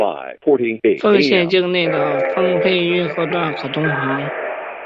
丰县境内的丰沛运河段可通航。